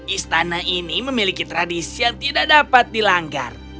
istana ini memiliki tradisi yang tidak dapat dilanggar